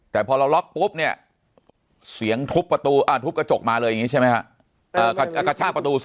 แต่พอเราล็อกปุ๊บเสียงทุบกระจกมาเลยต้องกระจ้าประตู